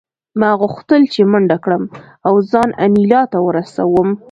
ما غوښتل چې منډه کړم او ځان انیلا ته ورسوم